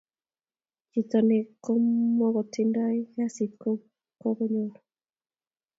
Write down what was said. chito ne komkotindai kasit ko kokonyor